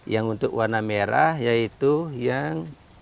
yang untuk warna merah yaitu yang